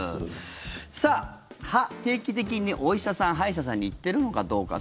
歯、定期的にお医者さん、歯医者さんに行ってるのかどうか。